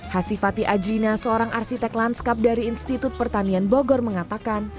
hasifati ajina seorang arsitek lanskap dari institut pertanian bogor mengatakan